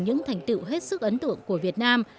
những thành tựu hết sức ấn tượng của việt nam